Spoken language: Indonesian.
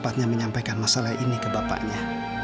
tidak sempat menyampaikan masalah ini ke bapaknya